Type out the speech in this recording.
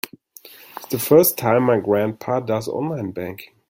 It's the first time my grandpa does online banking.